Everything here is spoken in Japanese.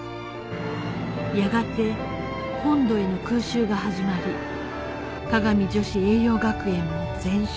やがて本土への空襲が始まり香美女子栄養学園も全焼